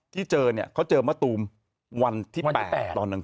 ที่เจอเนี่ยเขาเจอมะตูมวันที่แปดวันที่แปดตอนนัง